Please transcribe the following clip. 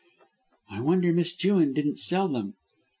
"I wonder Miss Jewin didn't sell them?"